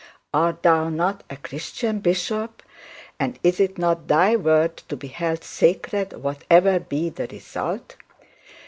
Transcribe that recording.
Art thou not a Christian bishop, and is not thy word to be held sacred whatever be the result?